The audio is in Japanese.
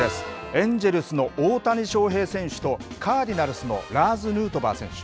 エンジェルスの大谷翔平選手とカーディナルスのラーズ・ヌートバー選手。